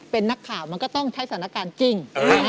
เป็นนักข่าวมันก็ต้องใช้สถานการณ์จริง